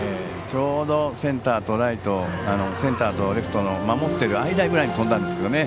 ちょうどセンターとレフトの守っている間ぐらいに飛んだんですけどね。